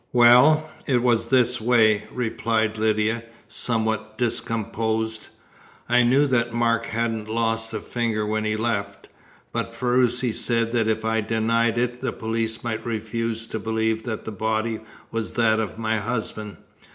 "Well, it was this way," replied Lydia, somewhat discomposed. "I knew that Mark hadn't lost a finger when he left, but Ferruci said that if I denied it the police might refuse to believe that the body was that of my husband.